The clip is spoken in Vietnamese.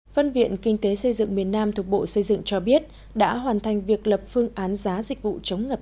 phân viện kinh tế xây dựng miền nam thuộc bộ xây dựng cho biết đã hoàn thành việc lập phương án giá dịch vụ chống ngập